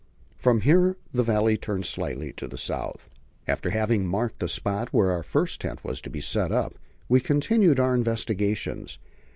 From here the valley turned slightly to the south. After having marked the spot where our first tent was to be set up, we continued our investigations.